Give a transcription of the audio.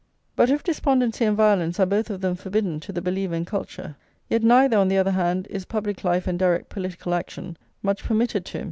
But if despondency and violence are both of them forbidden to the believer in culture, yet neither, on the other hand, is public life and direct political action much permitted to him.